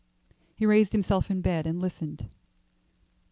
He raised himself in bed and listened.